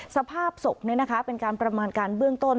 สภาพศพเนี่ยนะคะเป็นการประมาณการเบื้องต้น